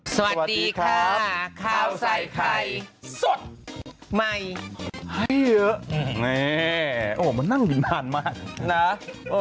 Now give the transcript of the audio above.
สวัสดีครับข้าวใส่ไข่สดใหม่ให้เยอะเนี่ยโอ้มันนั่งหลีกนานมากนะโอ้